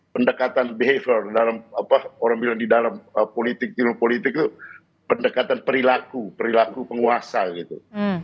pendekatan behavior dalam apa orang bilang di dalam politik di luar politik itu pendekatan perilaku perilaku penguasa gitu